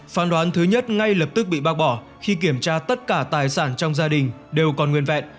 phán đoán thứ nhất ngay lập tức bị bác bỏ khi kiểm tra tất cả tài sản trong gia đình đều còn nguyên vẹn